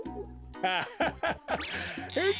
アハハハ。